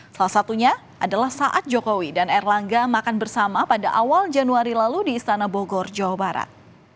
salah satunya adalah saat jokowi dan erlangga makan bersama pada awal januari lalu di istana bogor jawa barat